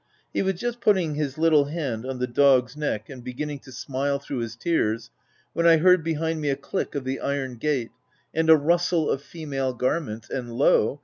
He was just putting his little hand on the dog's neck and beginning to smile through his tears, when I heard, behind me, a click of the iron gate and a rustle of female garments, and lo